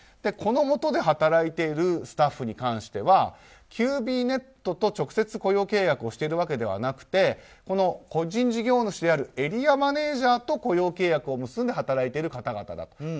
この下で働いているスタッフに関してはキュービーネットと直接雇用契約をしているわけではなく個人事業主であるエリアマネジャーと雇用契約を結んで働いている方々だと。